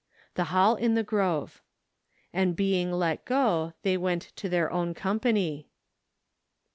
The Hall in the Grove. "And being let < 70 , they went to their own com¬ pany